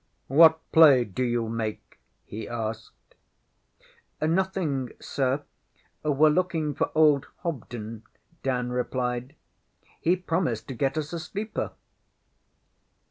] ŌĆśWhat play do you make? ŌĆÖ he asked. ŌĆśNothing, Sir. WeŌĆÖre looking for old Hobden, ŌĆÖ Dan replied. ŌĆÖHe promised to get us a sleeper.